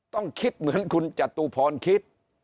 ต้องคิดเหมือนคุณจตุพรคิด